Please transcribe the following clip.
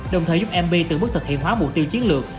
đồng thời giúp mp từ bước thực hiện hóa mục tiêu chiến lược